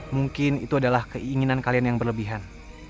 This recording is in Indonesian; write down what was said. mungkin itu adalah keinginan kalian yang berlebihan